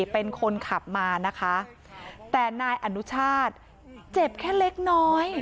เป็นคนขับมานะคะแต่นายอนุชาติเจ็บแค่เล็กน้อย